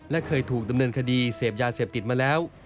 และเคยถูกดำเนินคดีเสพยาเสพติดมาแล้ว